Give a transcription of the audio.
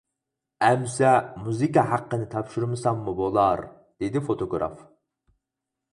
-ئەمىسە مۇزىكا ھەققىنى تاپشۇرمىساممۇ بولار، -دېدى فوتوگراف.